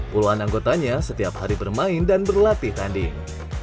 puluhan anggotanya setiap hari bermain dan berlatih tanding